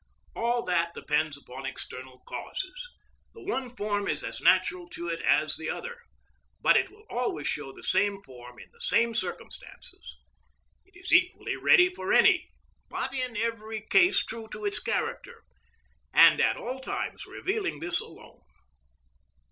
All that depends upon external causes; the one form is as natural to it as the other, but it will always show the same form in the same circumstances; it is equally ready for any, but in every case true to its character, and at all times revealing this alone.